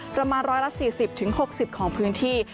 ประมาณ๑๔๐๖๐ของพื้นที่